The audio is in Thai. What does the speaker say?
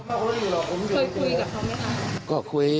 เคยคุยกับเขาไหมคะ